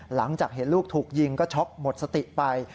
หลังจากเห็นลูกถูกยิงก็ช็อกหมดสติไป